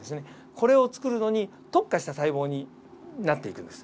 これを作るのに特化した細胞になっていくんです。